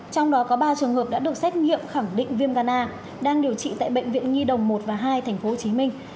trong đó có ba trường hợp đã được xét nghiệm khẳng định viêm gan a đang điều trị tại bệnh viện nhi đồng một và hai tp hcm